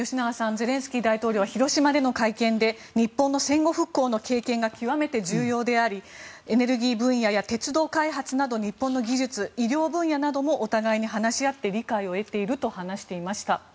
ゼレンスキー大統領は広島での会見で日本の戦後復興の経験が極めて重要でありエネルギー分野や鉄道開発など日本の技術、医療分野などもお互いに話し合って理解を得ていると話していました。